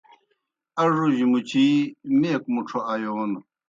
اڙوجیْ مُچِی میک مُڇھو آیون